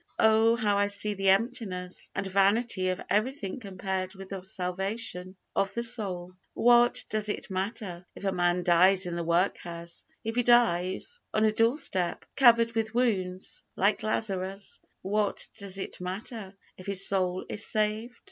Oh, how I see the emptiness and vanity of everything compared with the salvation of the soul! What does it matter, if a man dies in the work house if he dies on a door step, covered with wounds, like Lazarus what does it matter, if his soul is saved?